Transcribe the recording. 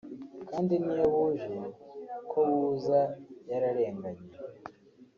kandi niyo buje ko buza yararenganye”